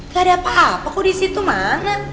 gak ada apa apa kok disitu mana